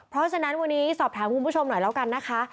เพราะฉะนั้นวันนี้สอบถามคุณผู้ชมหน่อยแล้วกันนะคะ